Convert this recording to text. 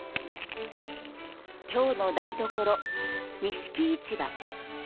京の台所、錦市場。